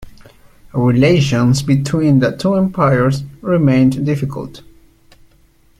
Relations between the two Empires remained difficult.